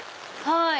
はい。